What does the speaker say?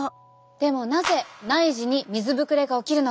でもなぜ内耳に水ぶくれが起きるのか。